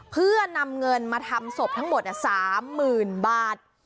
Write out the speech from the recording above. เพื่อนำเงินมาทำศพทั้งหมด๓๐๐๐บาท